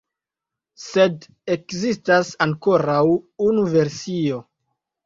Sed ekzistas ankoraŭ unu versio.